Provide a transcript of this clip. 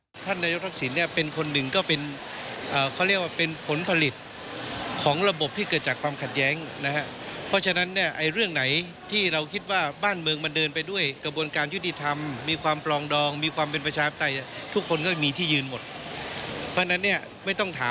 โอกาสพบเจอเวลาไปถามโอ้ยงยุทธเดี๋ยวก็ไปพลาดหัวยงยุทธไปเจอทักษิณมาแล้วมาตั้งพัก